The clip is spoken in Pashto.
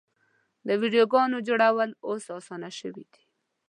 د ویډیوګانو جوړول اوس اسانه شوي دي.